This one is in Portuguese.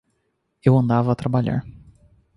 Eu andava a trabalhar.